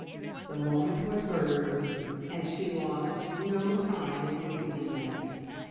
The moment was hers, and she lost no time in using it.